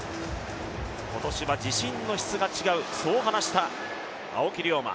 今年は自信の質が違うそう話した青木涼真。